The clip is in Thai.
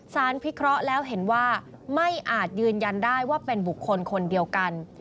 พิเคราะห์แล้วเห็นว่าไม่อาจยืนยันได้ว่าเป็นบุคคลคนเดียวกัน